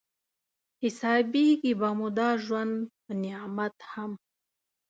حسابېږي به مو دا ژوند په نعمت هم